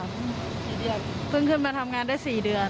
ปีเดียวเพิ่งขึ้นมาทำงานได้๔เดือน